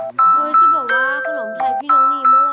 ด้วยจะบอกว่าขนมไทยพี่น้องนีม่อว่า